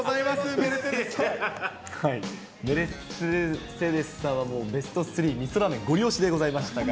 メルセデスさんはベスト３、みそラーメンごり押しでございましたが。